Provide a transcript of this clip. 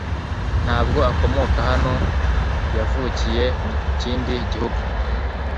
Ntabwo akomoka hano. Yavukiye mu kindi gihugu.